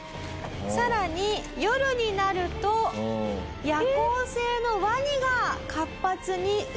さらに夜になると夜行性のワニが活発に動き出すような地域だったと。